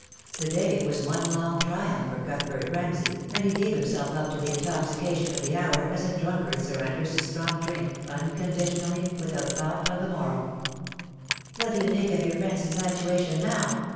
The day was one long triumph for Cuthbert Ramsay, and he gave himself up to the intoxication of the hour as a drunkard surrenders to strong drink, unconditionally, without thought of the morrow. "What do you think of your friend's infatuation now?"